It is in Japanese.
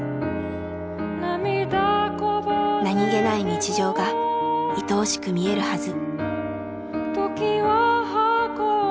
何気ない日常がいとおしく見えるはず。